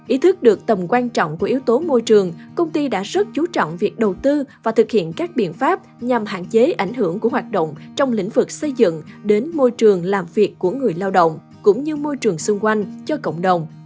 ý thức được tầm quan trọng của yếu tố môi trường công ty đã rất chú trọng việc đầu tư và thực hiện các biện pháp nhằm hạn chế ảnh hưởng của hoạt động trong lĩnh vực xây dựng đến môi trường làm việc của người lao động cũng như môi trường xung quanh cho cộng đồng